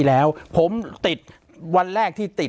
ปากกับภาคภูมิ